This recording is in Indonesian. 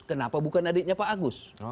kenapa bukan adiknya pak agus